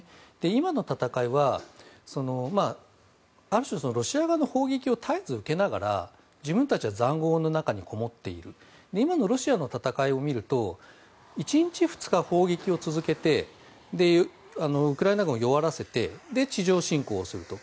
今の戦いはある種、ロシア側の砲撃を絶えず受けながら自分たちは塹壕の中にこもっている今のロシアの戦いを見ると１日、２日砲撃を続けてウクライナ軍を弱らせて地上進攻すると。